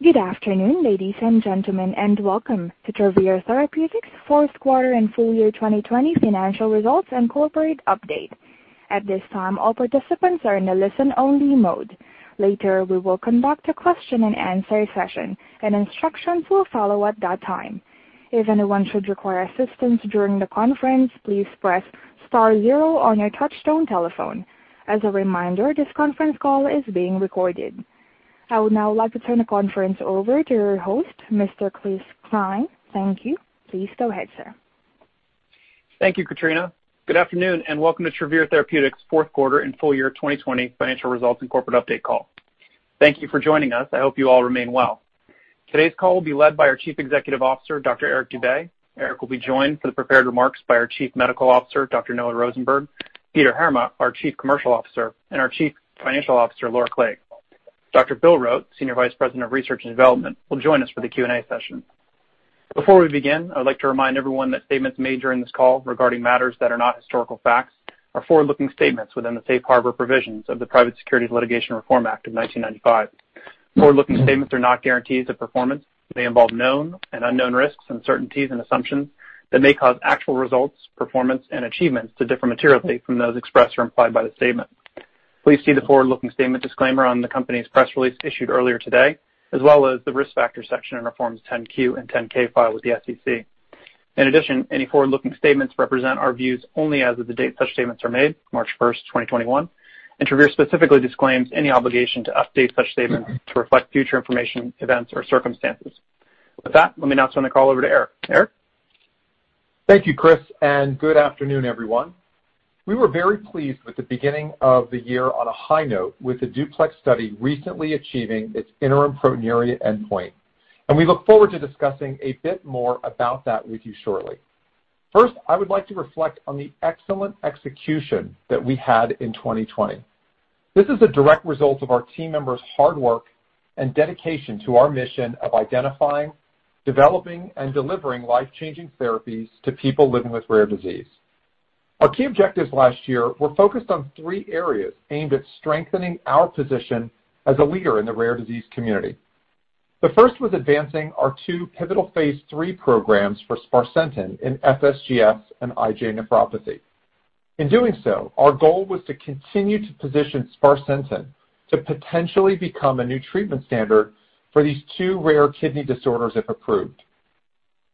Good afternoon, ladies and gentlemen, and welcome to Travere Therapeutics's fourth quarter and full year 2020 financial results and corporate update. At this time all participants are in listen-only mode. Later, we will conduct a question-and-answer session and instructions will follow at that time. If anyone should require assistance during the conference please press star zero on your touchtone telephone. As a reminder this conference call is being recorded. I would now like to turn the conference over to your host, Mr. Chris Cline. Thank you. Please go ahead, sir. Thank you, Katrina. Good afternoon, welcome to Travere Therapeutics' fourth quarter and full year 2020 financial results and corporate update call. Thank you for joining us. I hope you all remain well. Today's call will be led by our Chief Executive Officer, Dr. Eric Dube. Eric will be joined for the prepared remarks by our Chief Medical Officer, Dr. Noah Rosenberg, Peter Heerma, our Chief Commercial Officer, and our Chief Financial Officer, Laura Clague. Dr. Bill Rote, Senior Vice President of Research and Development, will join us for the Q&A session. Before we begin, I would like to remind everyone that statements made during this call regarding matters that are not historical facts are forward-looking statements within the safe harbor provisions of the Private Securities Litigation Reform Act of 1995. Forward-looking statements are not guarantees of performance. They involve known and unknown risks, uncertainties, and assumptions that may cause actual results, performance, and achievements to differ materially from those expressed or implied by the statement. Please see the forward-looking statement disclaimer on the company's press release issued earlier today, as well as the Risk Factors section in our Forms 10-Q and 10-K filed with the SEC. Any forward-looking statements represent our views only as of the date such statements are made, March 1st, 2021, and Travere specifically disclaims any obligation to update such statements to reflect future information, events, or circumstances. With that, let me now turn the call over to Eric. Eric? Thank you, Chris, and good afternoon, everyone. We were very pleased with the beginning of the year on a high note with the DUPLEX study recently achieving its interim proteinuria endpoint, and we look forward to discussing a bit more about that with you shortly. First, I would like to reflect on the excellent execution that we had in 2020. This is a direct result of our team members' hard work and dedication to our mission of identifying, developing, and delivering life-changing therapies to people living with rare disease. Our key objectives last year were focused on three areas aimed at strengthening our position as a leader in the rare disease community. The first was advancing our two pivotal phase III programs for sparsentan in FSGS and IgA nephropathy. In doing so, our goal was to continue to position sparsentan to potentially become a new treatment standard for these two rare kidney disorders if approved.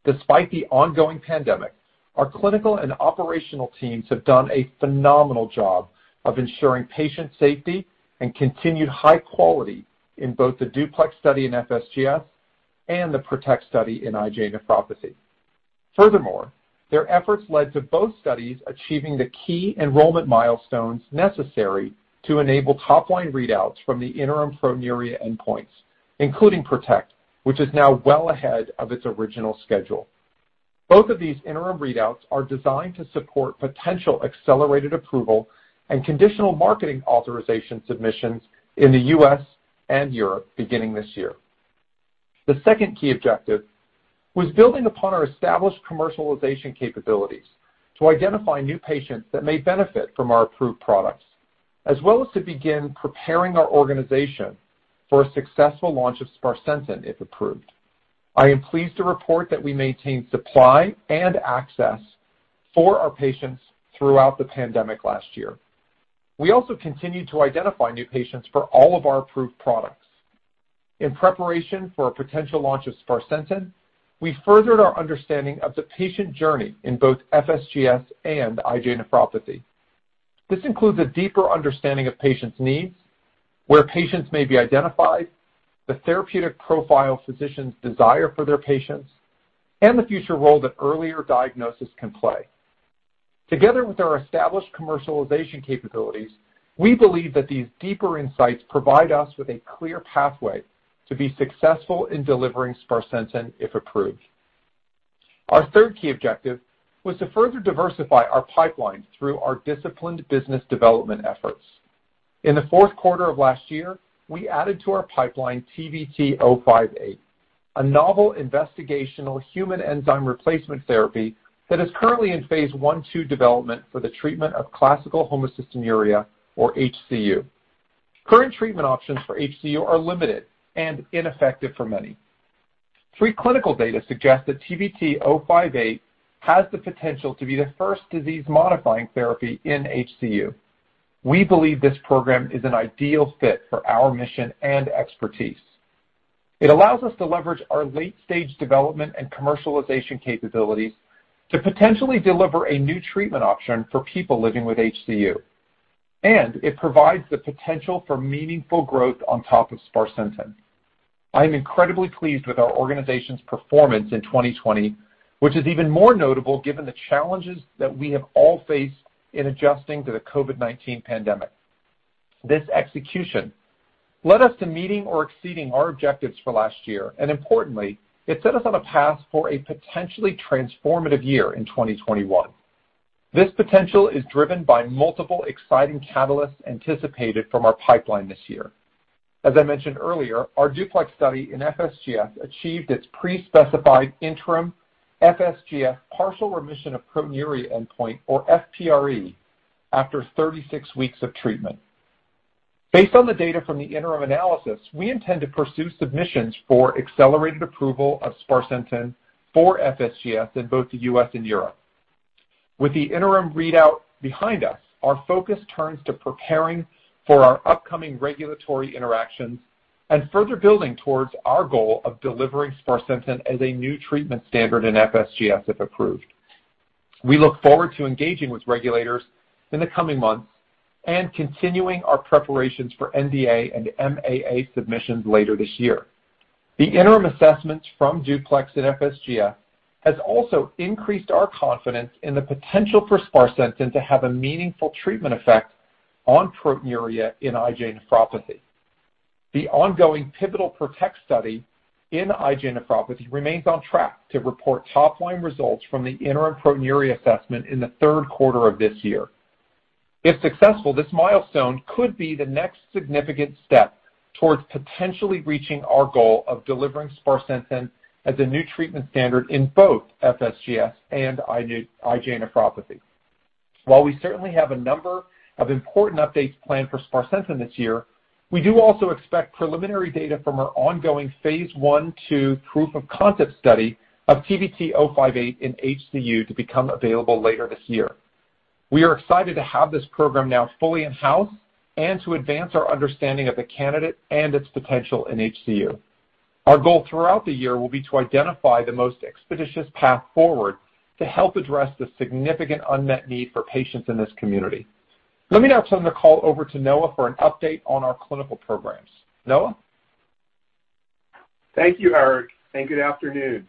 Despite the ongoing pandemic, our clinical and operational teams have done a phenomenal job of ensuring patient safety and continued high quality in both the DUPLEX study in FSGS and the PROTECT study in IgA nephropathy. Furthermore, their efforts led to both studies achieving the key enrollment milestones necessary to enable top-line readouts from the interim proteinuria endpoints, including PROTECT, which is now well ahead of its original schedule. Both of these interim readouts are designed to support potential accelerated approval and conditional marketing authorization submissions in the U.S. and Europe beginning this year. The second key objective was building upon our established commercialization capabilities to identify new patients that may benefit from our approved products, as well as to begin preparing our organization for a successful launch of sparsentan if approved. I am pleased to report that we maintained supply and access for our patients throughout the pandemic last year. We also continued to identify new patients for all of our approved products. In preparation for a potential launch of sparsentan, we furthered our understanding of the patient journey in both FSGS and IgA nephropathy. This includes a deeper understanding of patients' needs, where patients may be identified, the therapeutic profile physicians desire for their patients, and the future role that earlier diagnosis can play. Together with our established commercialization capabilities, we believe that these deeper insights provide us with a clear pathway to be successful in delivering sparsentan if approved. Our third key objective was to further diversify our pipeline through our disciplined business development efforts. In the fourth quarter of last year, we added to our pipeline TVT-058, a novel investigational human enzyme replacement therapy that is currently in phase I/II development for the treatment of classical homocystinuria, or HCU. Current treatment options for HCU are limited and ineffective for many. Preclinical data suggest that TVT-058 has the potential to be the first disease-modifying therapy in HCU. We believe this program is an ideal fit for our mission and expertise. It allows us to leverage our late-stage development and commercialization capabilities to potentially deliver a new treatment option for people living with HCU, and it provides the potential for meaningful growth on top of sparsentan. I am incredibly pleased with our organization's performance in 2020, which is even more notable given the challenges that we have all faced in adjusting to the COVID-19 pandemic. This execution led us to meeting or exceeding our objectives for last year, and importantly, it set us on a path for a potentially transformative year in 2021. This potential is driven by multiple exciting catalysts anticipated from our pipeline this year. As I mentioned earlier, our DUPLEX study in FSGS achieved its pre-specified interim FSGS partial remission of proteinuria endpoint, or FPRE. After 36 weeks of treatment. Based on the data from the interim analysis, we intend to pursue submissions for accelerated approval of sparsentan for FSGS in both the U.S. and Europe. With the interim readout behind us, our focus turns to preparing for our upcoming regulatory interactions and further building towards our goal of delivering sparsentan as a new treatment standard in FSGS, if approved. We look forward to engaging with regulators in the coming months and continuing our preparations for NDA and MAA submissions later this year. The interim assessments from DUPLEX and FSGS has also increased our confidence in the potential for sparsentan to have a meaningful treatment effect on proteinuria in IgA nephropathy. The ongoing pivotal PROTECT study in IgA nephropathy remains on track to report top-line results from the interim proteinuria assessment in the third quarter of this year. If successful, this milestone could be the next significant step towards potentially reaching our goal of delivering sparsentan as a new treatment standard in both FSGS and IgA nephropathy. While we certainly have a number of important updates planned for sparsentan this year, we do also expect preliminary data from our ongoing phase I/II proof-of-concept study of TVT-058 in HCU to become available later this year. We are excited to have this program now fully in-house and to advance our understanding of the candidate and its potential in HCU. Our goal throughout the year will be to identify the most expeditious path forward to help address the significant unmet need for patients in this community. Let me now turn the call over to Noah for an update on our clinical programs. Noah? Thank you, Eric, and good afternoon.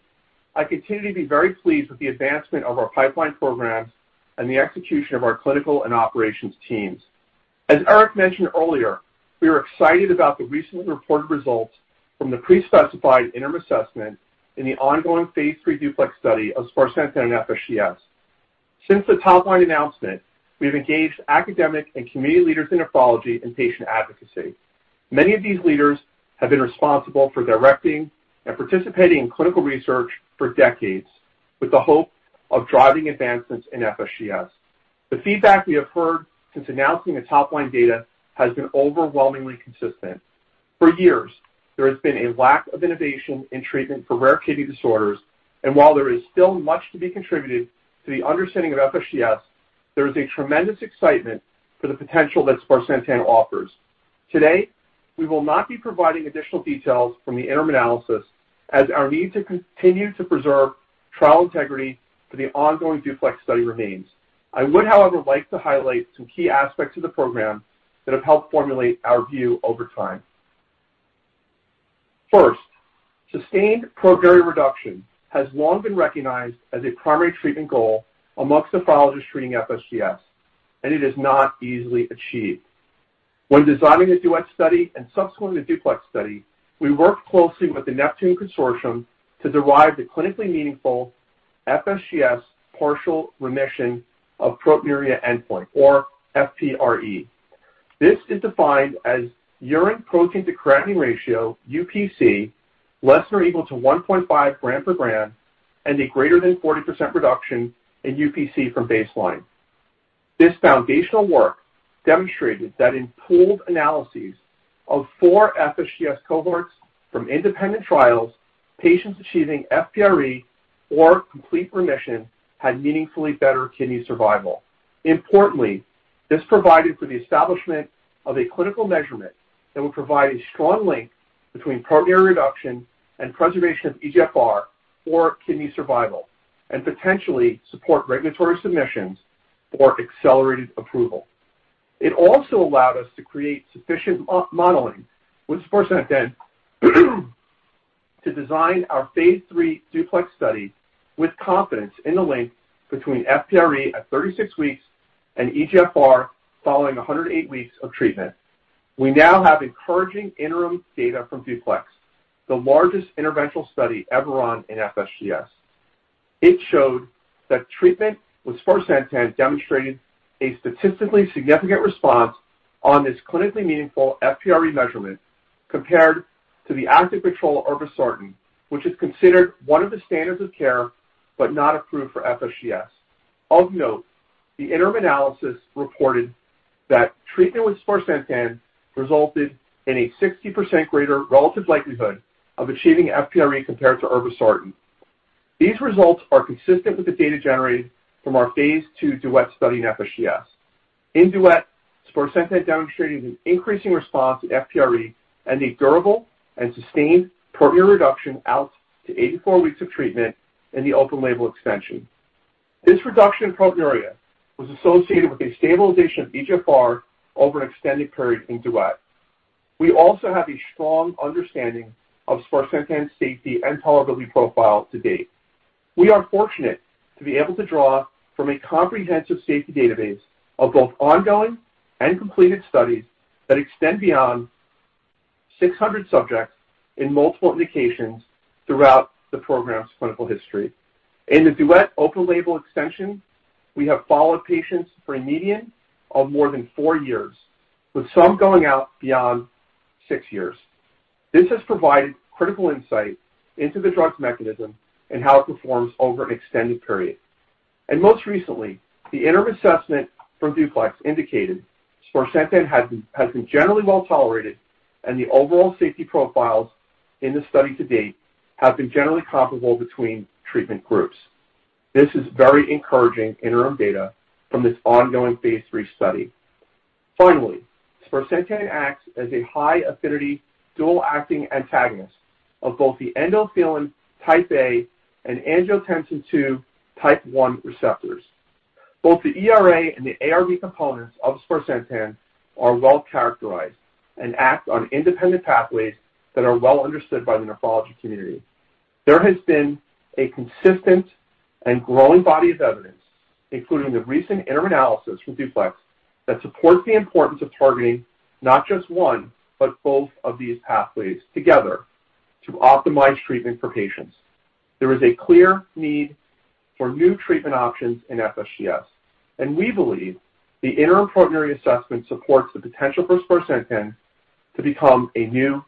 I continue to be very pleased with the advancement of our pipeline programs and the execution of our clinical and operations teams. As Eric mentioned earlier, we are excited about the recently reported results from the pre-specified interim assessment in the ongoing phase III DUPLEX study of sparsentan in FSGS. Since the top-line announcement, we've engaged academic and community leaders in nephrology and patient advocacy. Many of these leaders have been responsible for directing and participating in clinical research for decades with the hope of driving advancements in FSGS. The feedback we have heard since announcing the top-line data has been overwhelmingly consistent. For years, there has been a lack of innovation in treatment for rare kidney disorders, and while there is still much to be contributed to the understanding of FSGS, there is a tremendous excitement for the potential that sparsentan offers. Today, we will not be providing additional details from the interim analysis as our need to continue to preserve trial integrity for the ongoing DUPLEX study remains. I would, however, like to highlight some key aspects of the program that have helped formulate our view over time. First, sustained proteinuria reduction has long been recognized as a primary treatment goal amongst nephrologists treating FSGS, and it is not easily achieved. When designing a DUET study and subsequently DUPLEX study, we worked closely with the NEPTUNE consortium to derive the clinically meaningful FSGS partial remission of proteinuria endpoint or FPRE. This is defined as urine protein-to-creatinine ratio, UPC, less than or equal to 1.5 gram-per-gram, and a greater than 40% reduction in UPC from baseline. This foundational work demonstrated that in pooled analyses of four FSGS cohorts from independent trials, patients achieving FPRE or complete remission had meaningfully better kidney survival. Importantly, this provided for the establishment of a clinical measurement that would provide a strong link between proteinuria reduction and preservation of eGFR or kidney survival, and potentially support regulatory submissions for accelerated approval. It also allowed us to create sufficient modeling with sparsentan to design our phase III DUPLEX study with confidence in the link between FPRE at 36 weeks and eGFR following 108 weeks of treatment. We now have encouraging interim data from DUPLEX, the largest interventional study ever run in FSGS. It showed that treatment with sparsentan demonstrated a statistically significant response on this clinically meaningful FPRE measurement compared to the active control of irbesartan, which is considered one of the standards of care, but not approved for FSGS. Of note, the interim analysis reported that treatment with sparsentan resulted in a 60% greater relative likelihood of achieving FPRE compared to irbesartan. These results are consistent with the data generated from our phase II DUET study in FSGS. In DUET, sparsentan demonstrated an increasing response to FPRE and a durable and sustained proteinuria reduction out to 84 weeks of treatment in the open-label extension. This reduction in proteinuria was associated with a stabilization of eGFR over an extended period in DUET. We also have a strong understanding of sparsentan safety and tolerability profile to date. We are fortunate to be able to draw from a comprehensive safety database of both ongoing and completed studies that extend beyond 600 subjects in multiple indications throughout the program's clinical history. In the DUET open label extension, we have followed patients for a median of more than four years, with some going out beyond six years. This has provided critical insight into the drug's mechanism and how it performs over an extended period. Most recently, the interim assessment from DUPLEX indicated sparsentan has been generally well-tolerated, and the overall safety profiles in the study to date have been generally comparable between treatment groups. This is very encouraging interim data from this ongoing phase III study. Finally, sparsentan acts as a high-affinity, dual-acting antagonist of both the endothelin type A and angiotensin II type-1 receptors. Both the ERA and the ARB components of sparsentan are well-characterized and act on independent pathways that are well understood by the nephrology community. There has been a consistent and growing body of evidence, including the recent interim analysis from DUPLEX, that supports the importance of targeting not just one, but both of these pathways together to optimize treatment for patients. There is a clear need for new treatment options in FSGS. We believe the interim proteinuria assessment supports the potential for sparsentan to become a new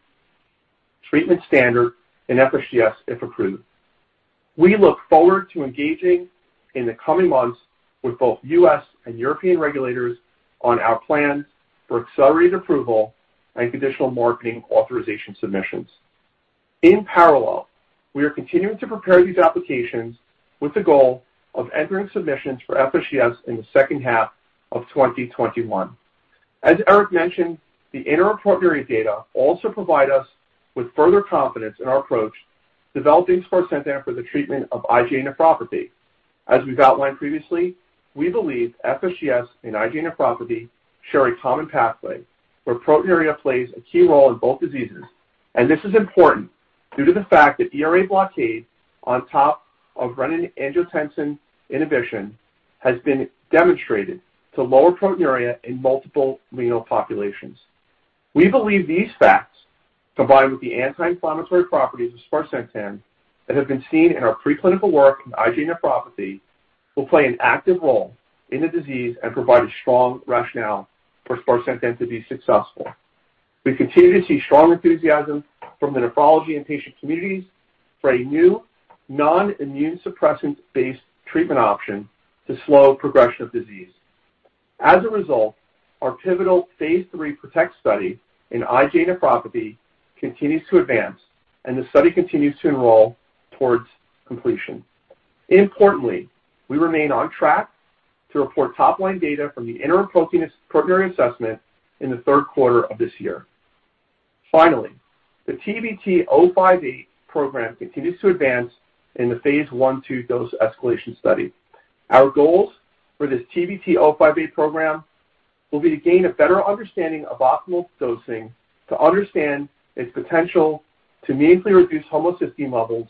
treatment standard in FSGS if approved. We look forward to engaging in the coming months with both U.S. and European regulators on our plans for accelerated approval and conditional marketing authorization submissions. In parallel, we are continuing to prepare these applications with the goal of entering submissions for FSGS in the second half of 2021. As Eric mentioned, the interim proteinuria data also provide us with further confidence in our approach developing sparsentan for the treatment of IgA nephropathy. As we've outlined previously, we believe FSGS and IgA nephropathy share a common pathway where proteinuria plays a key role in both diseases. This is important due to the fact that ERA blockade on top of renin-angiotensin inhibition has been demonstrated to lower proteinuria in multiple renal populations. We believe these facts, combined with the anti-inflammatory properties of sparsentan that have been seen in our preclinical work in IgA nephropathy, will play an active role in the disease and provide a strong rationale for sparsentan to be successful. We continue to see strong enthusiasm from the nephrology and patient communities for a new non-immune suppressant-based treatment option to slow progression of disease. As a result, our pivotal phase III PROTECT study in IgA nephropathy continues to advance. The study continues to enroll towards completion. Importantly, we remain on track to report top-line data from the interim proteinuria assessment in the third quarter of this year. The TVT-058 program continues to advance in the phase I/II dose escalation study. Our goals for this TVT-058 program will be to gain a better understanding of optimal dosing, to understand its potential to meaningfully reduce homocysteine levels,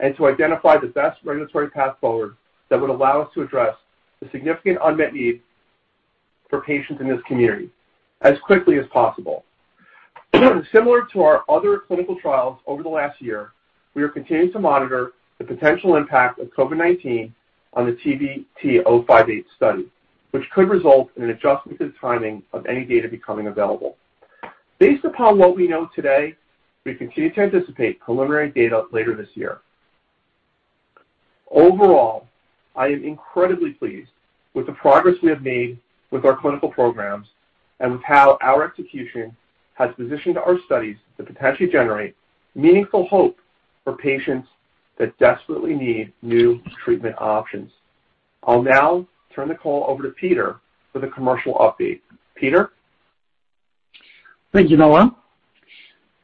and to identify the best regulatory path forward that would allow us to address the significant unmet need for patients in this community as quickly as possible. Similar to our other clinical trials over the last year, we are continuing to monitor the potential impact of COVID-19 on the TVT-058 study, which could result in an adjustment to the timing of any data becoming available. Based upon what we know today, we continue to anticipate preliminary data later this year. Overall, I am incredibly pleased with the progress we have made with our clinical programs and with how our execution has positioned our studies to potentially generate meaningful hope for patients that desperately need new treatment options. I'll now turn the call over to Peter for the commercial update. Peter? Thank you, Noah.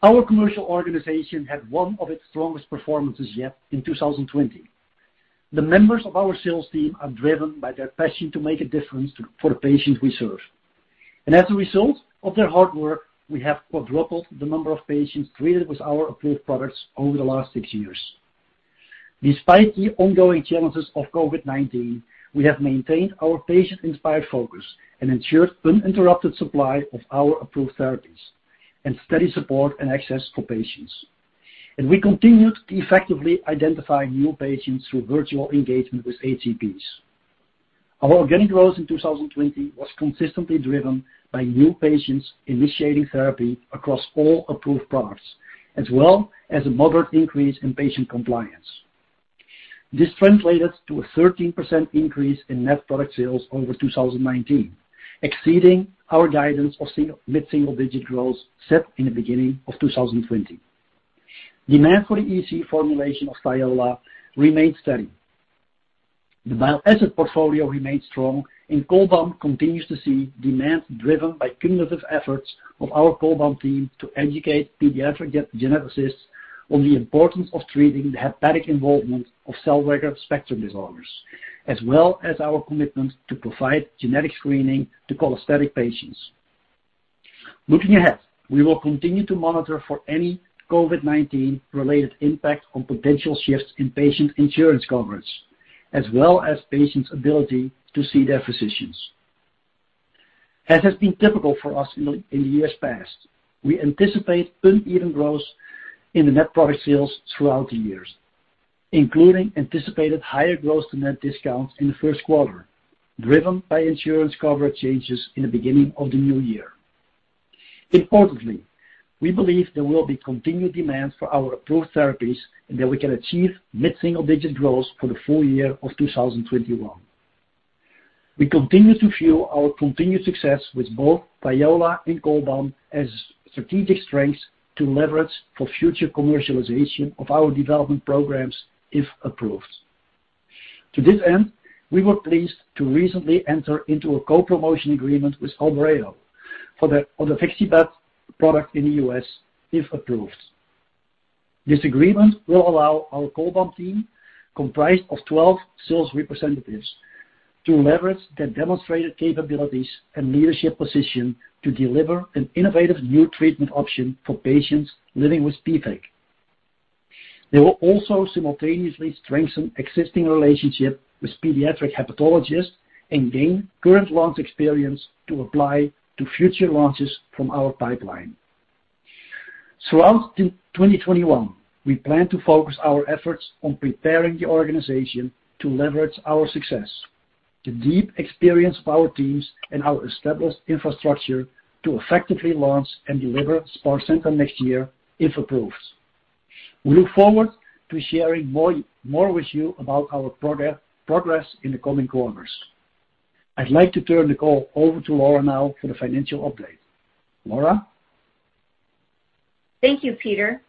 Our commercial organization had one of its strongest performances yet in 2020. The members of our sales team are driven by their passion to make a difference for the patients we serve. As a result of their hard work, we have quadrupled the number of patients treated with our approved products over the last six years. Despite the ongoing challenges of COVID-19, we have maintained our patient-inspired focus and ensured uninterrupted supply of our approved therapies and steady support and access for patients. We continued to effectively identify new patients through virtual engagement with HCPs. Our organic growth in 2020 was consistently driven by new patients initiating therapy across all approved products, as well as a moderate increase in patient compliance. This translated to a 13% increase in net product sales over 2019, exceeding our guidance of mid-single-digit growth set in the beginning of 2020. Demand for the EC formulation of Thiola remained steady. The bile acid portfolio remains strong, and Cholbam continues to see demand driven by cumulative efforts of our Cholbam team to educate pediatric geneticists on the importance of treating the hepatic involvement of Zellweger spectrum disorders, as well as our commitment to provide genetic screening to cholestatic patients. Looking ahead, we will continue to monitor for any COVID-19-related impact on potential shifts in patient insurance coverage, as well as patients' ability to see their physicians. As has been typical for us in the years past, we anticipate uneven growth in the net product sales throughout the years. Including anticipated higher gross to net discounts in the first quarter, driven by insurance coverage changes in the beginning of the new year. Importantly, we believe there will be continued demand for our approved therapies and that we can achieve mid-single-digit growth for the full year of 2021. We continue to fuel our continued success with both Thiola and Cholbam as strategic strengths to leverage for future commercialization of our development programs, if approved. To this end, we were pleased to recently enter into a co-promotion agreement with Albireo for the odevixibat product in the U.S., if approved. This agreement will allow our Cholbam team, comprised of 12 sales representatives, to leverage their demonstrated capabilities and leadership position to deliver an innovative new treatment option for patients living with PFIC. They will also simultaneously strengthen existing relationship with pediatric hepatologists and gain current launch experience to apply to future launches from our pipeline. Throughout 2021, we plan to focus our efforts on preparing the organization to leverage our success, the deep experience of our teams and our established infrastructure to effectively launch and deliver sparsentan next year, if approved. We look forward to sharing more with you about our progress in the coming quarters. I'd like to turn the call over to Laura now for the financial update. Laura? Thank you, Peter.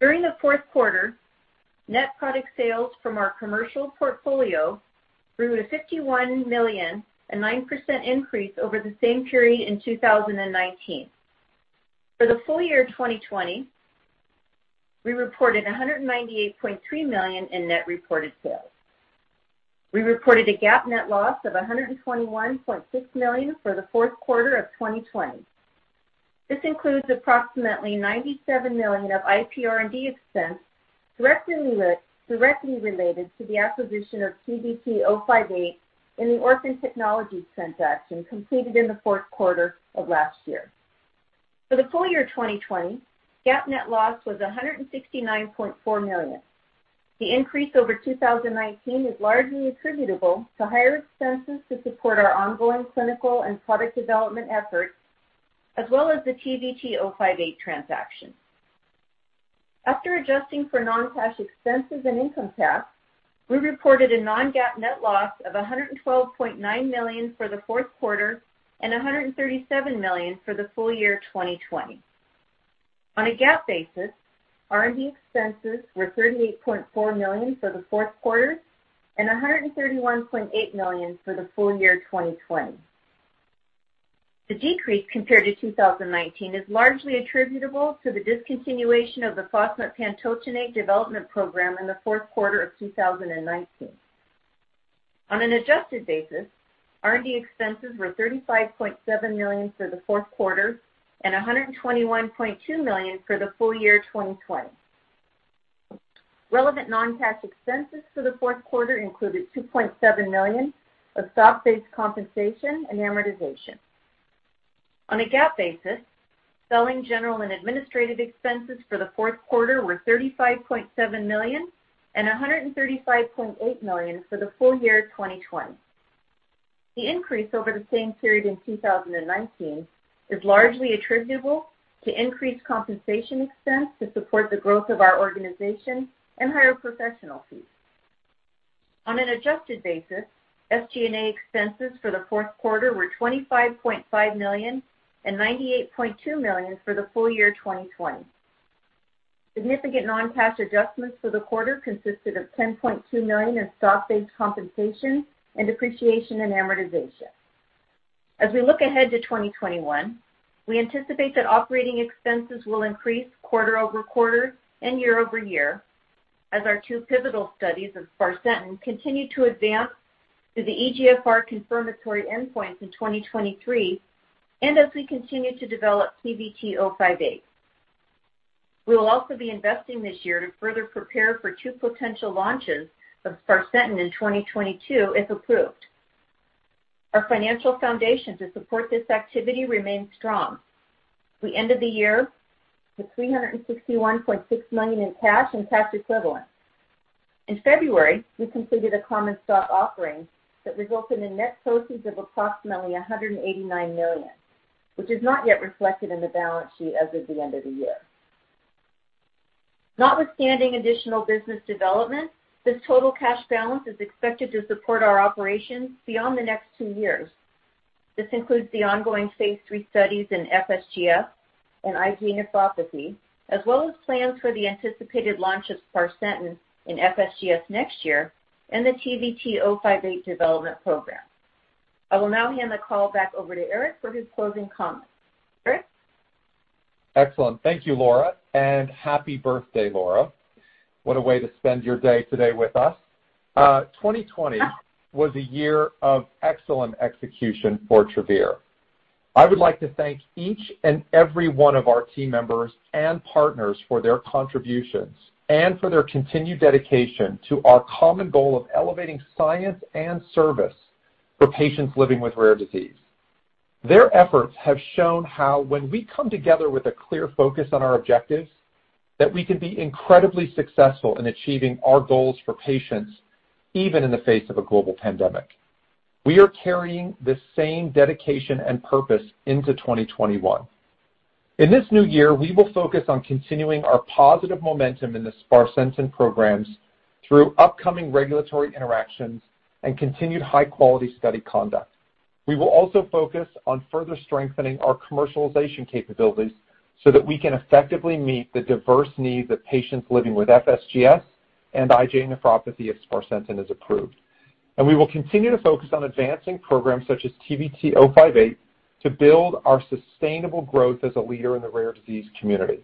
During the fourth quarter, net product sales from our commercial portfolio grew to $51 million, a 9% increase over the same period in 2019. For the full year 2020, we reported $198.3 million in net reported sales. We reported a GAAP net loss of $121.6 million for the fourth quarter of 2020. This includes approximately $97 million of IPR&D expense directly related to the acquisition of TVT-058 in the Orphan Technologies transaction completed in the fourth quarter of last year. For the full year 2020, GAAP net loss was $169.4 million. The increase over 2019 is largely attributable to higher expenses to support our ongoing clinical and product development efforts, as well as the TVT-058 transaction. After adjusting for non-cash expenses and income tax, we reported a non-GAAP net loss of $112.9 million for the fourth quarter and $137 million for the full year 2020. On a GAAP basis, R&D expenses were $38.4 million for the fourth quarter and $131.8 million for the full year 2020. The decrease compared to 2019 is largely attributable to the discontinuation of the fosmetpantotenate development program in the fourth quarter of 2019. On an adjusted basis, R&D expenses were $35.7 million for the fourth quarter and $121.2 million for the full year 2020. Relevant non-cash expenses for the fourth quarter included $2.7 million of stock-based compensation and amortization. On a GAAP basis, selling, general, and administrative expenses for the fourth quarter were $35.7 million and $135.8 million for the full year 2020. The increase over the same period in 2019 is largely attributable to increased compensation expense to support the growth of our organization and higher professional fees. On an adjusted basis, SG&A expenses for the fourth quarter were $25.5 million and $98.2 million for the full year 2020. Significant non-cash adjustments for the quarter consisted of $10.2 million in stock-based compensation and depreciation and amortization. As we look ahead to 2021, we anticipate that operating expenses will increase quarter-over-quarter and year-over-year as our two pivotal studies of sparsentan continue to advance to the eGFR confirmatory endpoints in 2023, as we continue to develop TVT-058. We will also be investing this year to further prepare for two potential launches of sparsentan in 2022, if approved. Our financial foundation to support this activity remains strong. We ended the year with $361.6 million in cash and cash equivalents. In February, we completed a common stock offering that resulted in net proceeds of approximately $189 million, which is not yet reflected in the balance sheet as of the end of the year. Notwithstanding additional business development, this total cash balance is expected to support our operations beyond the next two years. This includes the ongoing phase III studies in FSGS and IgA nephropathy, as well as plans for the anticipated launch of sparsentan in FSGS next year and the TVT-058 development program. I will now hand the call back over to Eric for his closing comments. Eric? Excellent. Thank you, Laura, happy birthday, Laura. What a way to spend your day today with us. 2020 was a year of excellent execution for Travere. I would like to thank each and every one of our team members and partners for their contributions and for their continued dedication to our common goal of elevating science and service for patients living with rare disease. Their efforts have shown how when we come together with a clear focus on our objectives, that we can be incredibly successful in achieving our goals for patients, even in the face of a global pandemic. We are carrying this same dedication and purpose into 2021. In this new year, we will focus on continuing our positive momentum in the sparsentan programs through upcoming regulatory interactions and continued high-quality study conduct. We will also focus on further strengthening our commercialization capabilities so that we can effectively meet the diverse needs of patients living with FSGS and IgA nephropathy if sparsentan is approved. We will continue to focus on advancing programs such as TVT-058 to build our sustainable growth as a leader in the rare disease community.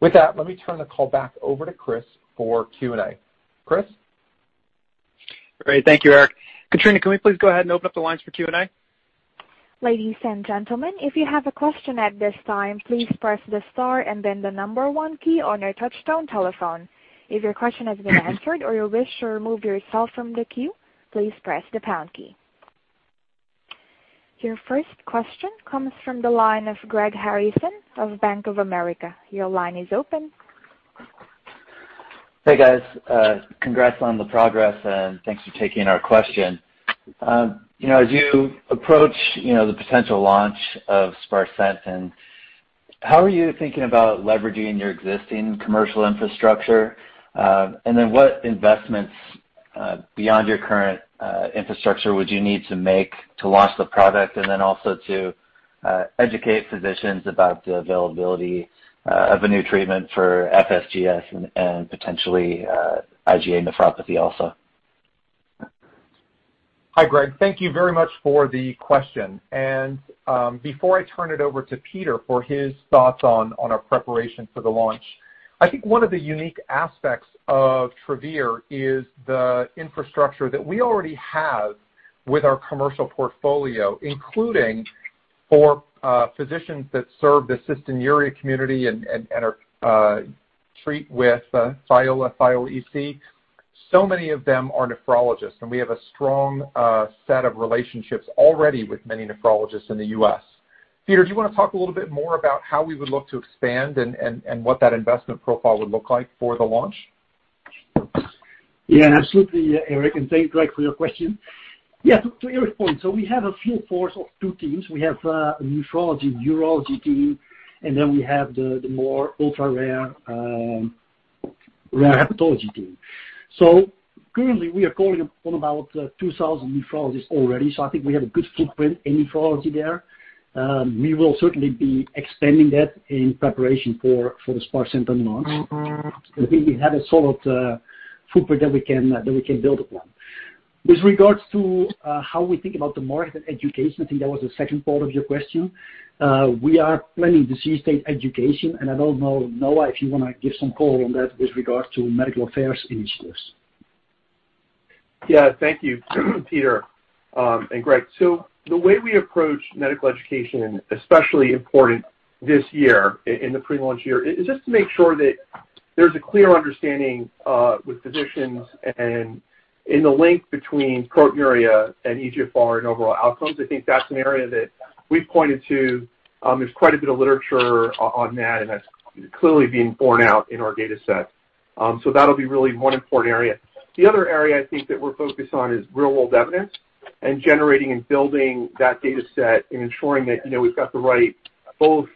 With that, let me turn the call back over to Chris for Q&A. Chris? Great. Thank you, Eric. Katrina, can we please go ahead and open up the lines for Q&A? Ladies and gentlemen, if you have a question at this time, please press the star and then the number one key on your touchtone telephone. If your question has been answered or you wish to remove yourself from the queue, please press the pound key. Your first question comes from the line of Greg Harrison of Bank of America. Your line is open. Hey, guys. Congrats on the progress, and thanks for taking our question. As you approach the potential launch of sparsentan, how are you thinking about leveraging your existing commercial infrastructure? What investments beyond your current infrastructure would you need to make to launch the product, and then also to educate physicians about the availability of a new treatment for FSGS and potentially IgA nephropathy also? Hi, Greg. Thank you very much for the question. Before I turn it over to Peter for his thoughts on our preparation for the launch, I think one of the unique aspects of Travere is the infrastructure that we already have with our commercial portfolio, including for physicians that serve the cystinuria community and treat with Thiola EC. Many of them are nephrologists, and we have a strong set of relationships already with many nephrologists in the U.S. Peter, do you want to talk a little bit more about how we would look to expand and what that investment profile would look like for the launch? Absolutely, Eric, and thanks, Greg, for your question. To Eric's point, we have a field force of two teams. We have a nephrology/urology team, and then we have the more ultra-rare hepatology team. Currently, we are calling on about 2,000 nephrologists already. I think we have a good footprint in nephrology there. We will certainly be expanding that in preparation for the sparsentan launch. I think we have a solid footprint that we can build upon. With regards to how we think about the market and education, I think that was the second part of your question. We are planning disease state education, and I don't know, Noah, if you want to give some color on that with regards to medical affairs initiatives. Yeah. Thank you, Peter and Greg. The way we approach medical education, especially important this year in the pre-launch year, is just to make sure that there's a clear understanding with physicians and in the link between proteinuria and eGFR and overall outcomes. I think that's an area that we've pointed to. There's quite a bit of literature on that, and that's clearly being borne out in our data set. That'll be really one important area. The other area I think that we're focused on is real-world evidence and generating and building that data set and ensuring that we've got the right both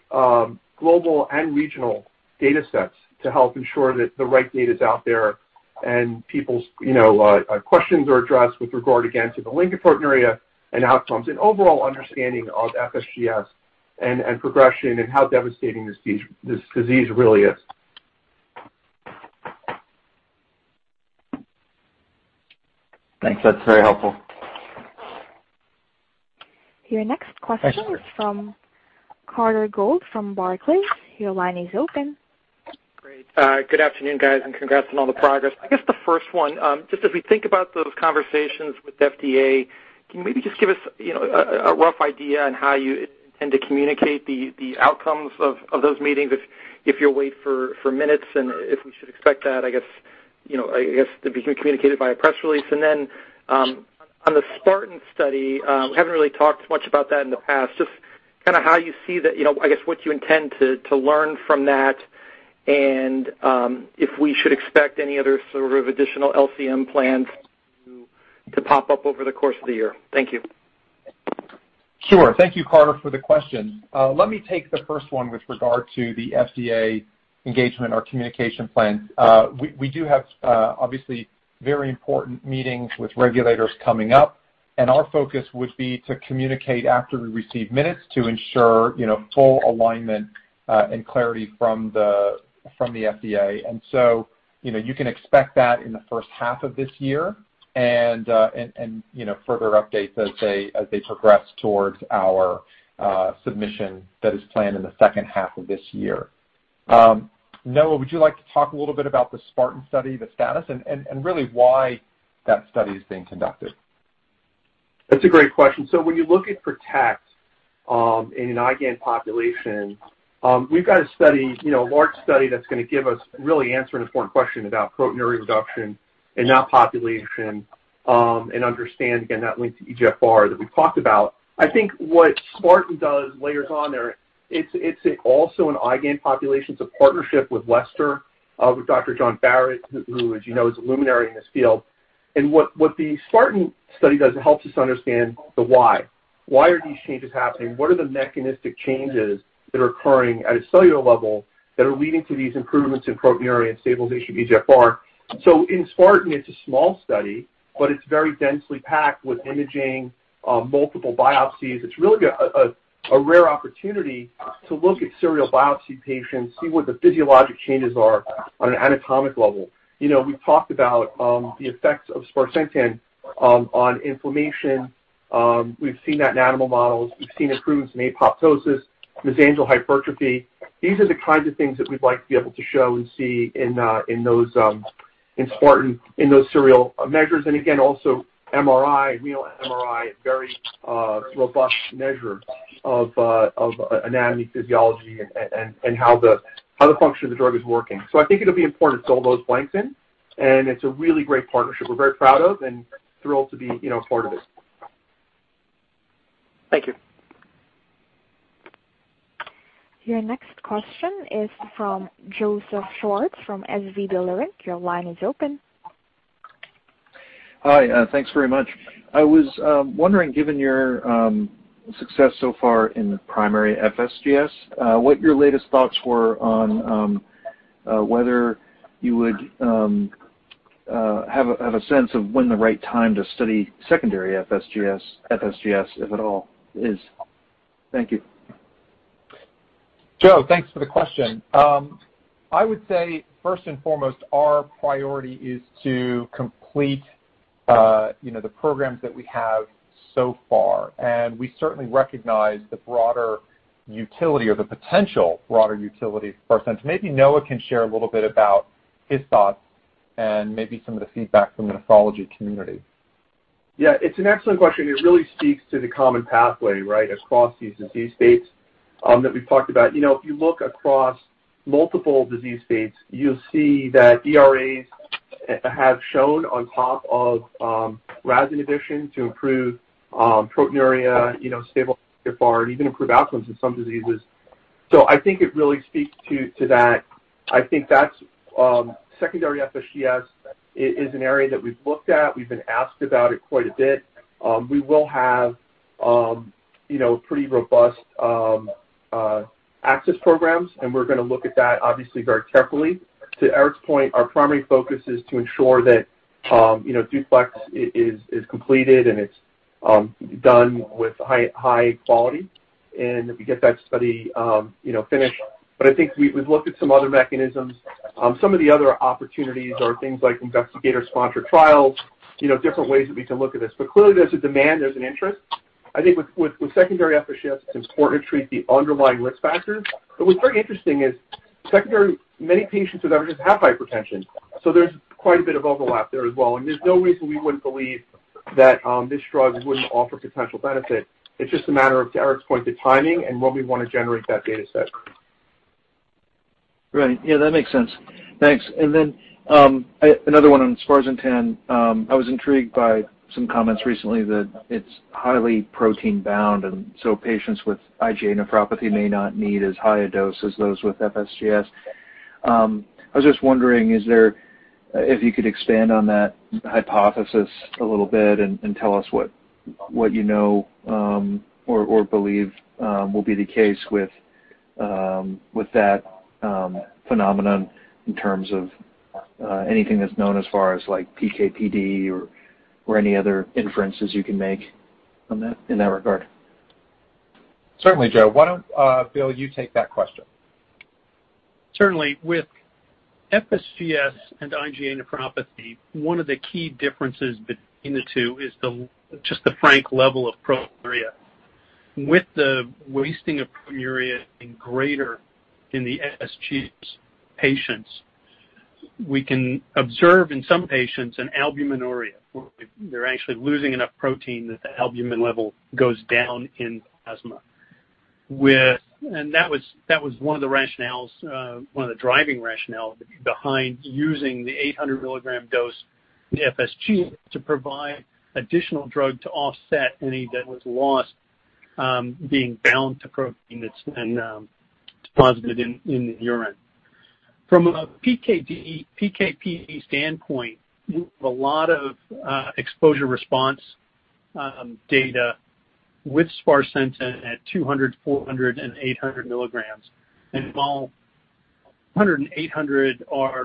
global and regional data sets to help ensure that the right data's out there and people's questions are addressed with regard, again, to the link to proteinuria and outcomes and overall understanding of FSGS and progression and how devastating this disease really is. Thanks. That is very helpful. Your next question is from Carter Gould from Barclays. Your line is open. Great. Good afternoon, guys, and congrats on all the progress. I guess the first one, just as we think about those conversations with FDA, can you maybe just give us a rough idea on how you intend to communicate the outcomes of those meetings, if you'll wait for minutes, and if we should expect that, I guess, to be communicated via press release? On the SPARTAN study, we haven't really talked much about that in the past. Just how you see that, I guess, what you intend to learn from that, and if we should expect any other sort of additional LCM plans to pop up over the course of the year. Thank you. Sure. Thank you, Carter, for the question. Let me take the first one with regard to the FDA engagement, our communication plan. We do have, obviously, very important meetings with regulators coming up. Our focus would be to communicate after we receive minutes to ensure full alignment and clarity from the FDA. You can expect that in the first half of this year and further updates as they progress towards our submission that is planned in the second half of this year. Noah, would you like to talk a little bit about the SPARTAN study, the status, and really why that study is being conducted? That's a great question. When you look at PROTECT in an IgAN population, we've got a large study that's going to give us, really answer an important question about proteinuria reduction in that population, and understand, again, that link to eGFR that we've talked about. I think what SPARTAN does, layers on there, it's also an IgAN population. It's a partnership with Leicester, with Dr. John Barratt, who as you know, is a luminary in this field. What the SPARTAN study does, it helps us understand the why. Why are these changes happening? What are the mechanistic changes that are occurring at a cellular level that are leading to these improvements in proteinuria and stabilization of eGFR? In SPARTAN, it's a small study, but it's very densely packed with imaging, multiple biopsies. It's really a rare opportunity to look at serial biopsy patients, see what the physiologic changes are on an anatomic level. We've talked about the effects of sparsentan on inflammation. We've seen that in animal models. We've seen improvements in apoptosis, mesangial hypertrophy. These are the kinds of things that we'd like to be able to show and see in SPARTAN, in those serial measures, and again, also MRI, renal MRI, a very robust measure of anatomy, physiology, and how the function of the drug is working. I think it'll be important to fill those blanks in, and it's a really great partnership. We're very proud of and thrilled to be part of it. Thank you. Your next question is from Joseph Schwartz from SVB Leerink. Your line is open. Hi. Thanks very much. I was wondering, given your success so far in the primary FSGS, what your latest thoughts were on whether you would have a sense of when the right time to study secondary FSGS, if at all, is? Thank you. Joe, thanks for the question. I would say, first and foremost, our priority is to complete the programs that we have so far, and we certainly recognize the broader utility or the potential broader utility for sparsentan. Maybe Noah can share a little bit about his thoughts and maybe some of the feedback from the nephrology community. It's an excellent question. It really speaks to the common pathway, across these disease states that we've talked about. If you look across multiple disease states, you'll see that ERAs have shown on top of RAS inhibition to improve proteinuria, stabilize eGFR, and even improve outcomes in some diseases. I think it really speaks to that. I think that secondary FSGS is an area that we've looked at. We've been asked about it quite a bit. We will have pretty robust access programs, and we're going to look at that, obviously, very carefully. To Eric's point, our primary focus is to ensure that DUPLEX is completed, and it's done with high quality, and that we get that study finished. I think we've looked at some other mechanisms. Some of the other opportunities are things like investigator-sponsored trials, different ways that we can look at this. Clearly, there's a demand, there's an interest. I think with secondary FSGS, it's important to treat the underlying risk factors. What's very interesting is many patients with FSGS have hypertension, so there's quite a bit of overlap there as well, and there's no reason we wouldn't believe that this drug wouldn't offer potential benefit. It's just a matter of, to Eric's point, the timing and when we want to generate that data set. Right. Yeah, that makes sense. Thanks. Another one on sparsentan. I was intrigued by some comments recently that it's highly protein-bound, and so patients with IgA nephropathy may not need as high a dose as those with FSGS. I was just wondering if you could expand on that hypothesis a little bit and tell us what you know or believe will be the case with that phenomenon in terms of anything that's known as far as PK/PD or any other inferences you can make in that regard. Certainly, Joe. Why don't, Bill, you take that question? Certainly. With FSGS and IgA nephropathy, one of the key differences between the two is just the frank level of proteinuria. With the wasting of proteinuria being greater in the FSGS patients, we can observe, in some patients, an albuminuria, where they're actually losing enough protein that the albumin level goes down in the plasma. That was one of the driving rationales behind using the 800 milligram dose in FSGS to provide additional drug to offset any that was lost being bound to protein that's deposited in the urine. From a PK/PD standpoint, we have a lot of exposure response data with sparsentan at 200, 400, and 800 milligrams. While 100 and 800 are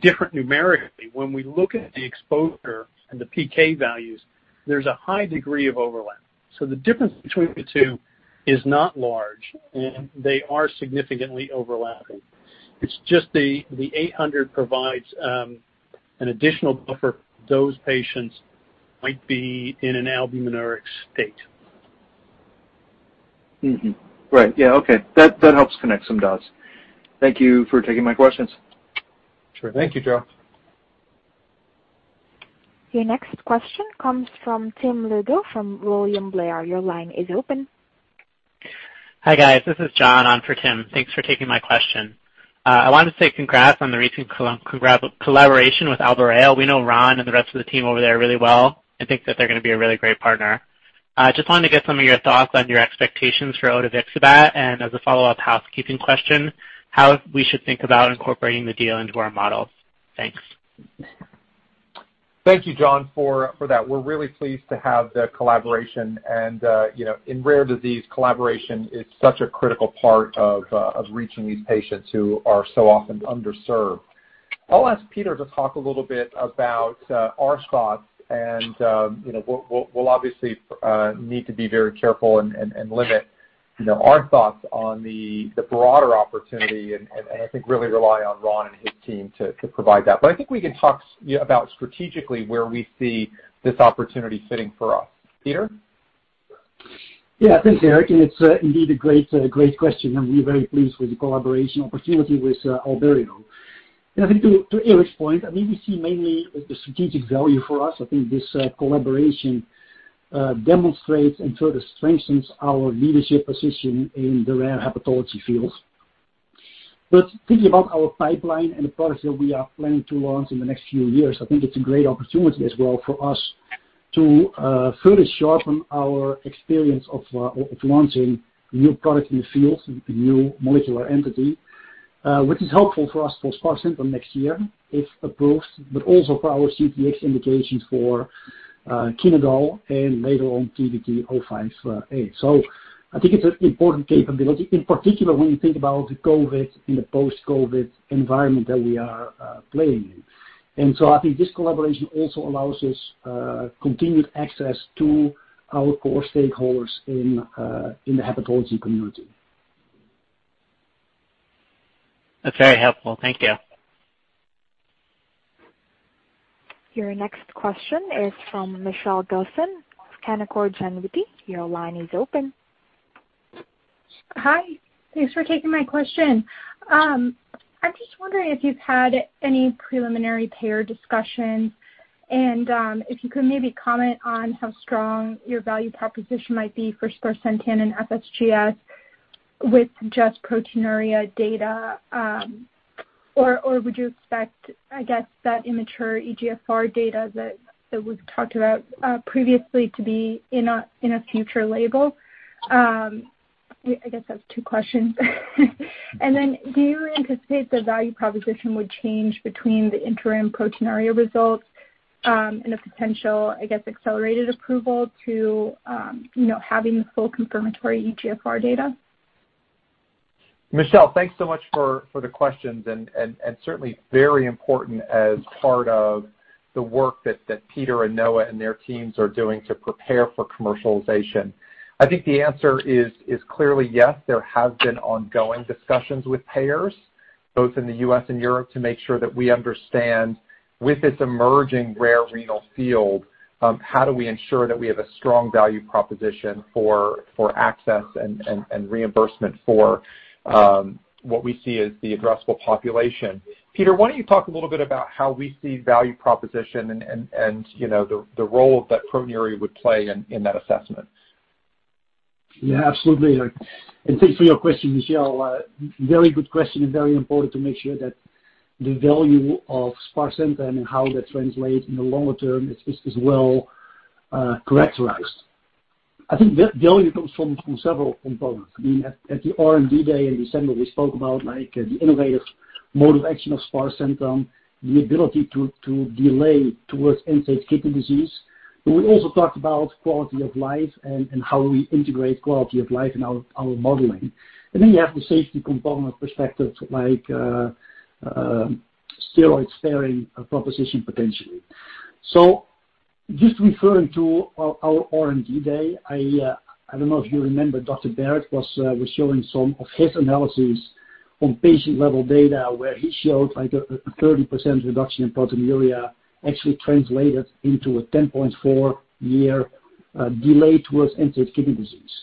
different numerically, when we look at the exposure and the PK values, there's a high degree of overlap. The difference between the two is not large, and they are significantly overlapping. It's just the 800 provides an additional buffer for those patients who might be in an albuminuric state. Right. Yeah, okay. That helps connect some dots. Thank you for taking my questions. Sure. Thank you, Joe. Your next question comes from Tim Lugo from William Blair. Your line is open. Hi, guys. This is John on for Tim. Thanks for taking my question. I wanted to say congrats on the recent collaboration with Albireo. We know Ron and the rest of the team over there really well and think that they're going to be a really great partner. Just wanted to get some of your thoughts on your expectations for odevixibat. As a follow-up housekeeping question, how we should think about incorporating the deal into our models. Thanks. Thank you, John, for that. We're really pleased to have the collaboration and, in rare disease, collaboration is such a critical part of reaching these patients who are so often underserved. I'll ask Peter to talk a little bit about our thoughts and, we'll obviously need to be very careful and limit our thoughts on the broader opportunity and I think really rely on Ron and his team to provide that. I think we can talk about strategically where we see this opportunity fitting for us. Peter? Yeah. Thanks, Eric. It's indeed a great question. We're very pleased with the collaboration opportunity with Albireo. I think to Eric's point, I mean, we see mainly the strategic value for us. I think this collaboration demonstrates and further strengthens our leadership position in the rare hepatology field. Thinking about our pipeline and the products that we are planning to launch in the next few years, I think it's a great opportunity as well for us to further sharpen our experience of launching new products in the field, new molecular entity, which is helpful for us for sparsentan next year, if approved, but also for our CTX indications for Chenodal and later on TVT-058. I think it's an important capability, in particular when you think about the COVID and the post-COVID environment that we are playing in. I think this collaboration also allows us continued access to our core stakeholders in the hepatology community. That's very helpful. Thank you. Your next question is from Michelle Gilson of Canaccord Genuity. Your line is open. Hi. Thanks for taking my question. I'm just wondering if you've had any preliminary payer discussions and if you could maybe comment on how strong your value proposition might be for sparsentan and FSGS with just proteinuria data. Or would you expect, I guess, that immature eGFR data that was talked about previously to be in a future label? I guess that's two questions. Do you anticipate the value proposition would change between the interim proteinuria results and a potential, I guess, accelerated approval to having the full confirmatory eGFR data? Michelle, thanks so much for the questions and certainly very important as part of the work that Peter and Noah and their teams are doing to prepare for commercialization. I think the answer is clearly yes, there have been ongoing discussions with payers, both in the U.S. and Europe, to make sure that we understand with this emerging rare renal field, how do we ensure that we have a strong value proposition for access and reimbursement for what we see as the addressable population. Peter, why don't you talk a little bit about how we see value proposition and the role that proteinuria would play in that assessment. Yeah, absolutely, Eric. Thanks for your question, Michelle. Very good question, and very important to make sure that the value of sparsentan and how that translates in the longer term is well characterized. I think the value comes from several components. I mean, at the R&D Day in December, we spoke about the innovative mode of action of sparsentan, the ability to delay towards end-stage kidney disease, but we also talked about quality of life and how we integrate quality of life in our modeling. Then you have the safety component perspective, like steroid-sparing proposition potentially. Just referring to our R&D Day, I don't know if you remember, Dr. Barratt was showing some of his analysis on patient-level data where he showed a 30% reduction in proteinuria actually translated into a 10.4-year delay towards end-stage kidney disease.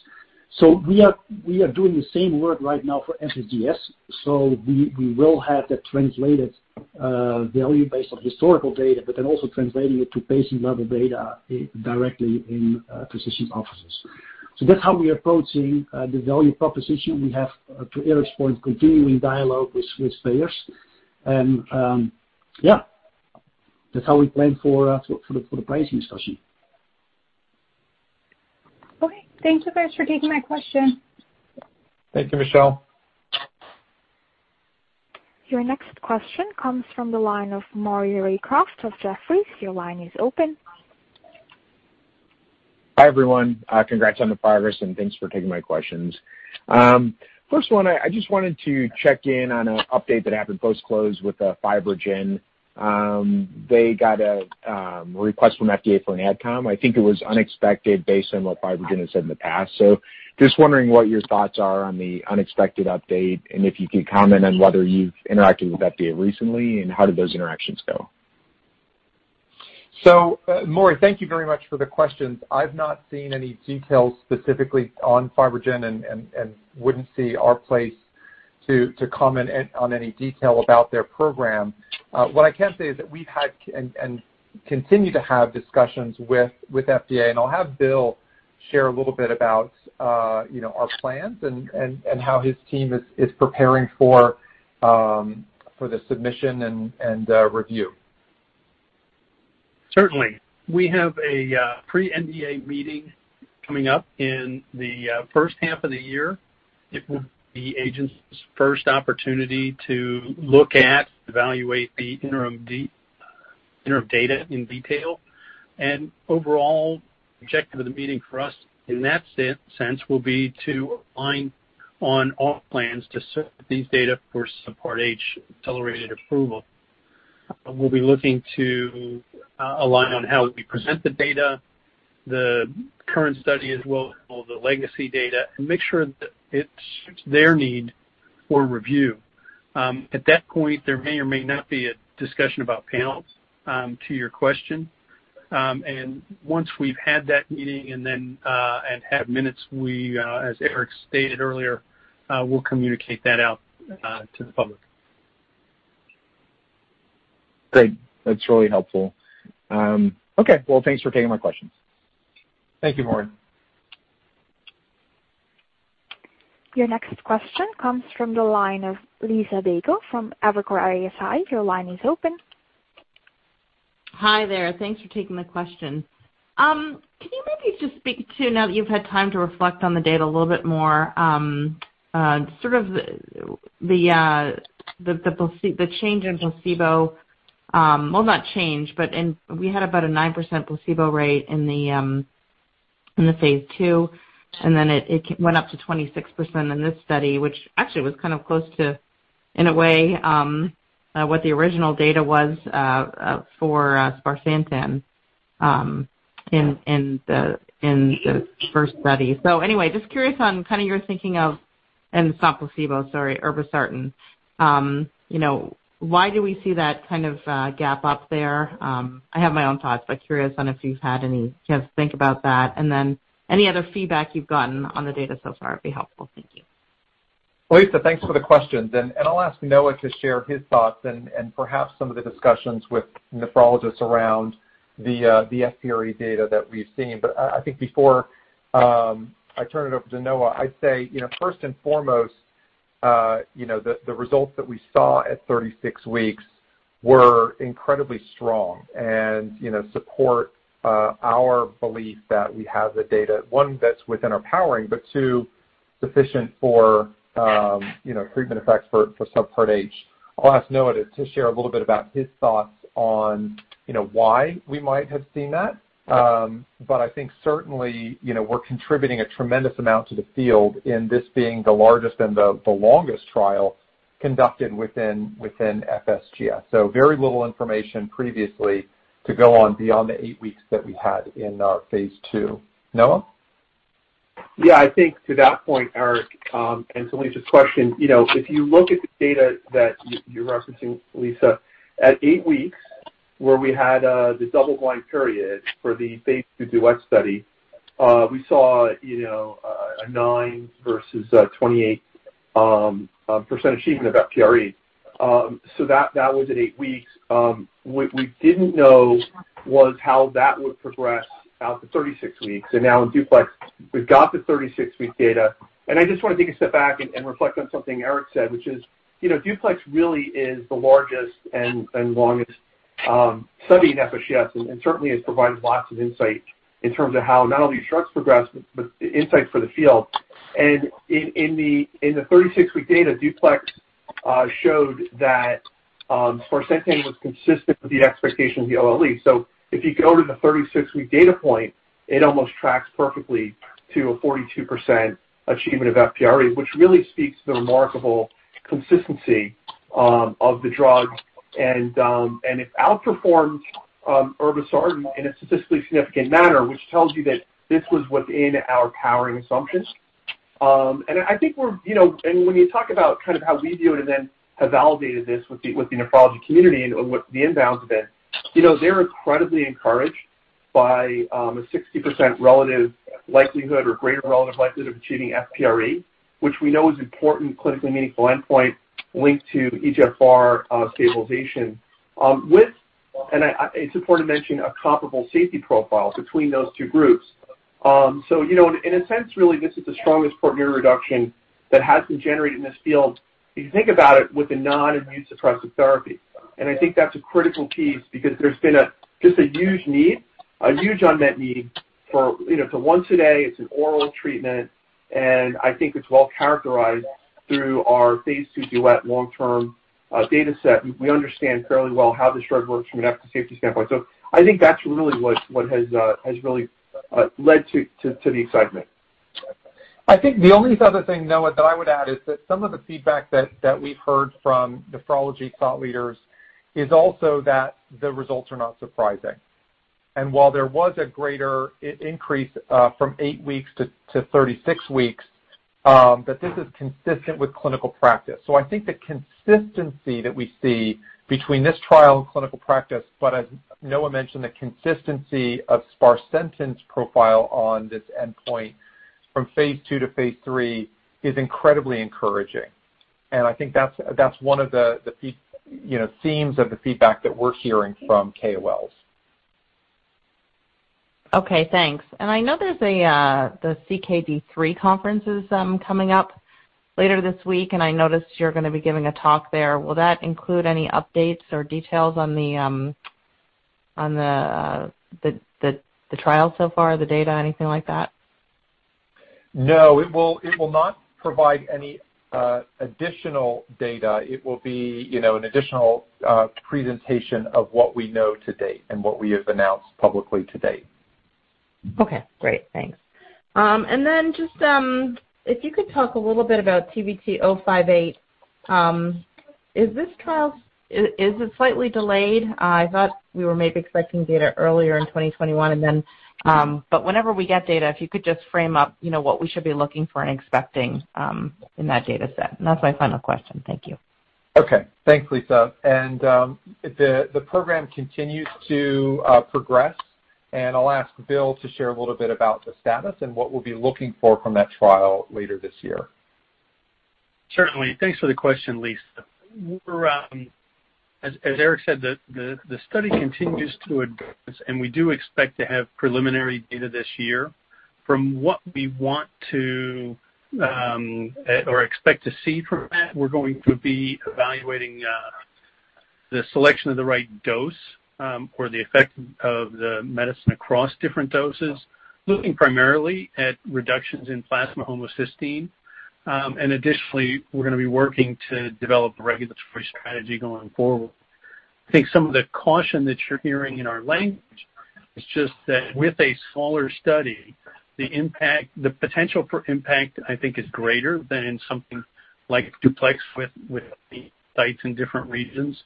We are doing the same work right now for FSGS. We will have that translated value based on historical data, but then also translating it to patient-level data directly in physician offices. That's how we are approaching the value proposition. We have, to Eric's point, continuing dialogue with payers. That's how we plan for the pricing discussion. Okay. Thank you guys for taking my question. Thank you, Michelle. Your next question comes from the line of Maury Raycroft of Jefferies. Your line is open. Hi, everyone. Congrats on the progress and thanks for taking my questions. First one, I just wanted to check in on an update that happened post-close with FibroGen. They got a request from FDA for an Advisory Committee. I think it was unexpected based on what FibroGen has said in the past. Just wondering what your thoughts are on the unexpected update, and if you could comment on whether you've interacted with FDA recently, and how did those interactions go? Maury, thank you very much for the questions. I've not seen any details specifically on FibroGen and wouldn't see our place to comment on any detail about their program. What I can say is that we've had and continue to have discussions with FDA, and I'll have Bill share a little bit about our plans and how his team is preparing for the submission and review. Certainly. We have a pre-NDA meeting coming up in the first half of the year. It will be the agency's first opportunity to look at, evaluate the interim data in detail. Overall, objective of the meeting for us in that sense will be to align on all plans to set these data for Subpart H accelerated approval. We'll be looking to align on how we present the data, the current study as well as all the legacy data, and make sure that it suits their need for review. At that point, there may or may not be a discussion about panels, to your question. Once we've had that meeting and have minutes, we, as Eric stated earlier, will communicate that out to the public. Great. That's really helpful. Okay. Well, thanks for taking my questions. Thank you, Maury. Your next question comes from the line of Liisa Bayko from Evercore ISI. Your line is open. Hi there. Thanks for taking my question. Can you maybe just speak to, now that you've had time to reflect on the data little bit more, the change in placebo. Well, not change, but we had about a 9% placebo rate in the phase II, and then it went up to 26% in this study, which actually was kind of close to, in a way, what the original data was for sparsentan in the first study. Anyway, just curious on kind of your thinking of. It's not placebo. Sorry, irbesartan. Why do we see that kind of gap up there? I have my own thoughts, curious on if you've had any chance to think about that, any other feedback you've gotten on the data so far would be helpful. Thank you. Liisa, thanks for the questions. I'll ask Noah to share his thoughts and perhaps some of the discussions with nephrologists around the FPRE data that we've seen. I think before I turn it over to Noah, I'd say, first and foremost, the results that we saw at 36 weeks were incredibly strong and support our belief that we have the data, one, that's within our powering, but two, sufficient for treatment effects for Subpart H. I'll ask Noah to share a little bit about his thoughts on why we might have seen that. I think certainly, we're contributing a tremendous amount to the field in this being the largest and the longest trial conducted within FSGS. Very little information previously to go on beyond the eight weeks that we had in our phase II. Noah? I think to that point, Eric, and to Liisa's question, if you look at the data that you're referencing, Liisa, at eight weeks, where we had the double-blind period for the phase II DUET study, we saw a 9% versus 28% achievement of FPRE. That was at eight weeks. What we didn't know was how that would progress out to 36 weeks. Now in DUPLEX, we've got the 36-week data. I just want to take a step back and reflect on something Eric said, which is DUPLEX really is the largest and longest study in FSGS and certainly has provided lots of insight in terms of how not only these drugs progress, but insight for the field. In the 36-week data, DUPLEX showed that sparsentan was consistent with the expectation of the OLE. If you go to the 36-week data point, it almost tracks perfectly to a 42% achievement of FPRE, which really speaks to the remarkable consistency of the drug, and it outperformed irbesartan in a statistically significant manner, which tells you that this was within our powering assumptions. When you talk about kind of how we view it and then have validated this with the nephrology community and what the inbounds have been, they're incredibly encouraged by a 60% relative likelihood or greater relative likelihood of achieving FPRE, which we know is important clinically meaningful endpoint linked to eGFR stabilization, with, and it's important to mention, a comparable safety profile between those two groups. In a sense, really, this is the strongest proteinuria reduction that has been generated in this field, if you think about it, with a non-immunosuppressive therapy. I think that's a critical piece because there's been just a huge unmet need. It's a once a day, it's an oral treatment, and I think it's well-characterized through our phase II DUET long-term dataset. We understand fairly well how this drug works from an safety standpoint. I think that's really what has really led to the excitement. I think the only other thing, Noah, that I would add is that some of the feedback that we've heard from nephrology thought leaders is also that the results are not surprising. While there was a greater increase from eight weeks to 36 weeks, this is consistent with clinical practice. I think the consistency that we see between this trial and clinical practice, but as Noah mentioned, the consistency of sparsentan's profile on this endpoint from phase II to phase III is incredibly encouraging. I think that's one of the themes of the feedback that we're hearing from KOLs. Okay, thanks. I know the CKD-3 conference is coming up later this week, and I noticed you're going to be giving a talk there. Will that include any updates or details on the trial so far, the data, anything like that? No, it will not provide any additional data. It will be an additional presentation of what we know to date and what we have announced publicly to date. Okay, great. Thanks. Just if you could talk a little bit about TVT-058. Is this trial slightly delayed? I thought we were maybe expecting data earlier in 2021. Whenever we get data, if you could just frame up what we should be looking for and expecting in that data set. That's my final question. Thank you. Okay. Thanks, Liisa. The program continues to progress, and I'll ask Bill to share a little bit about the status and what we'll be looking for from that trial later this year. Certainly. Thanks for the question, Liisa. As Eric said, the study continues to advance, we do expect to have preliminary data this year. From what we want to or expect to see from that, we're going to be evaluating the selection of the right dose or the effect of the medicine across different doses, looking primarily at reductions in plasma homocysteine. Additionally, we're going to be working to develop a regulatory strategy going forward. I think some of the caution that you're hearing in our language is just that with a smaller study, the potential for impact, I think, is greater than in something like DUPLEX with the sites in different regions.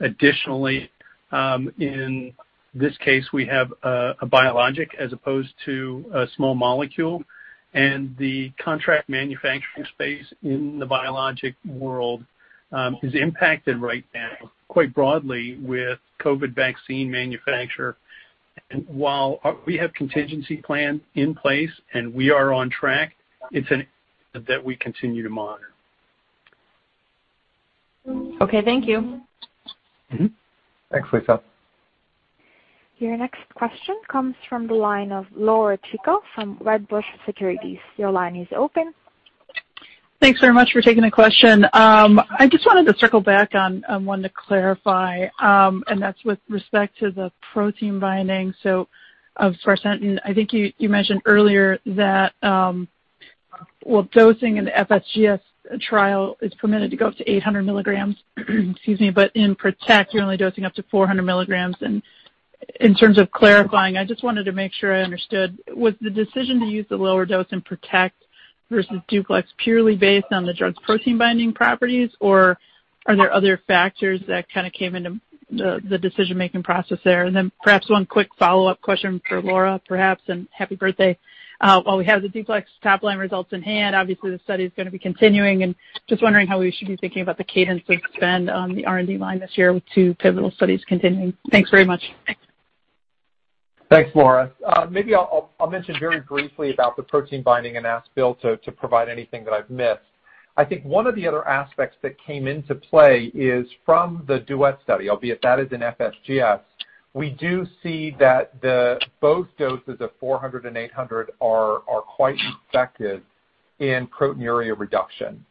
Additionally, in this case, we have a biologic as opposed to a small molecule, the contract manufacturing space in the biologic world is impacted right now quite broadly with COVID vaccine manufacture. While we have contingency plan in place and we are on track, it's an item that we continue to monitor. Okay, thank you. Thanks, Liisa. Your next question comes from the line of Laura Chico from Wedbush Securities. Your line is open. Thanks very much for taking the question. I just wanted to circle back on one to clarify, that's with respect to the protein binding, so of sparsentan. I think you mentioned earlier that while dosing in the FSGS trial is permitted to go up to 800 milligrams, excuse me, in PROTECT, you're only dosing up to 400 milligrams. In terms of clarifying, I just wanted to make sure I understood. Was the decision to use the lower dose in PROTECT versus DUPLEX purely based on the drug's protein binding properties, are there other factors that kind of came into the decision-making process there? Perhaps one quick follow-up question for Laura, perhaps, happy birthday. While we have the DUPLEX top-line results in hand, obviously the study's going to be continuing. Just wondering how we should be thinking about the cadence of spend on the R&D line this year with two pivotal studies continuing. Thanks very much. Thanks, Laura. Maybe I'll mention very briefly about the protein binding and ask Bill to provide anything that I've missed. I think one of the other aspects that came into play is from the DUET study, albeit that is in FSGS. We do see that both doses of 400 and 800 are quite effective in proteinuria reduction.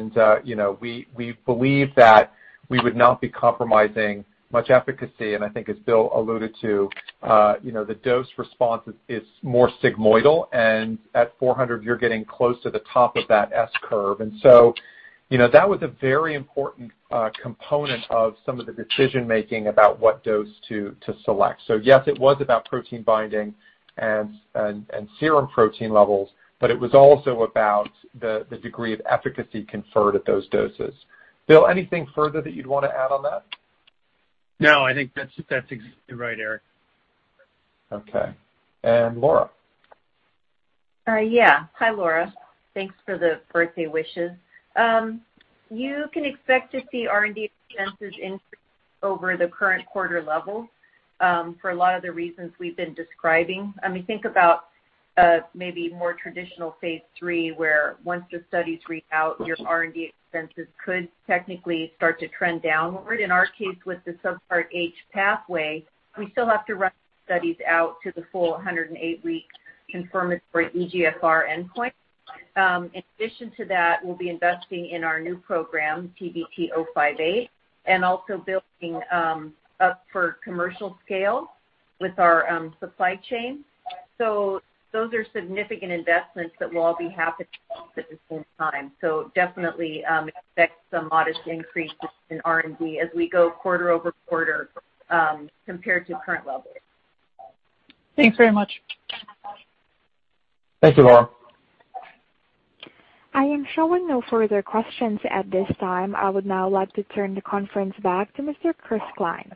We believe that we would not be compromising much efficacy. I think as Bill alluded to, the dose response is more sigmoidal, and at 400 you're getting close to the top of that S curve. That was a very important component of some of the decision-making about what dose to select. Yes, it was about protein binding and serum protein levels, but it was also about the degree of efficacy conferred at those doses. Bill, anything further that you'd want to add on that? No, I think that's exactly right, Eric. Okay. Laura. Hi, Laura. Thanks for the birthday wishes. You can expect to see R&D expenses increase over the current quarter level for a lot of the reasons we've been describing. I mean, think about maybe more traditional phase III, where once the study's readout, your R&D expenses could technically start to trend downward. In our case, with the Subpart H pathway, we still have to run studies out to the full 108-week confirmatory eGFR endpoint. In addition to that, we'll be investing in our new program, TVT-058, and also building up for commercial scale with our supply chain. Those are significant investments that will all be happening at the same time. Definitely expect some modest increases in R&D as we go quarter-over-quarter compared to current levels. Thanks very much. Thank you, Laura. I am showing no further questions at this time. I would now like to turn the conference back to Mr. Chris Cline.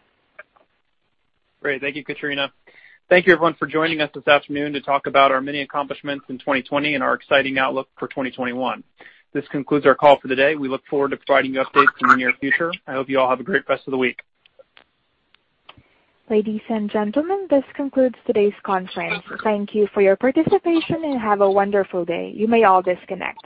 Great. Thank you, Katrina. Thank you, everyone, for joining us this afternoon to talk about our many accomplishments in 2020 and our exciting outlook for 2021. This concludes our call for the day. We look forward to providing you updates in the near future. I hope you all have a great rest of the week. Ladies and gentlemen, this concludes today's conference. Thank you for your participation, and have a wonderful day. You may all disconnect.